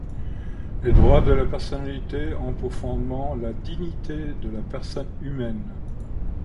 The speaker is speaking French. Les droits de la personnalité ont pour fondement la dignité de la personne humaine.